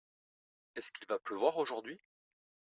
Est-ce qu'il va pleuvoir aujourd'hui ?